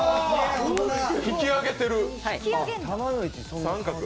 引き上げてる。